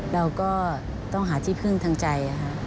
เราก็ต้องหาที่พึ่งทางใจ